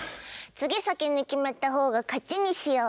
次先に決めたほうが勝ちにしよう。